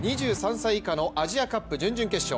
２３歳以下のアジアカップ準々決勝。